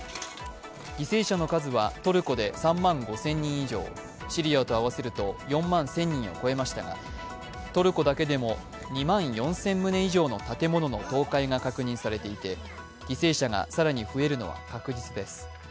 犠牲者の数はトルコで３万５０００人以上、シリアと合わせると４万１０００人を超えましたがトルコだけでも２万４０００棟以上の建物の倒壊が確認されていて犠牲者が更に増えるのは確実です。